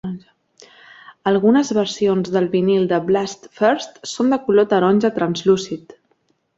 Algunes versions del vinil de "Blast First" són de color taronja translúcid.